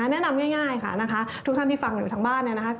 แนะนำง่ายทุกท่านที่ฟังอยู่ทางบ้าน